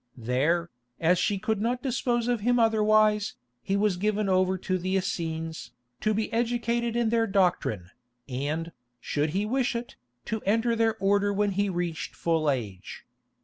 There, as she could not dispose of him otherwise, he was given over to the Essenes, to be educated in their doctrine, and, should he wish it, to enter their order when he reached full age.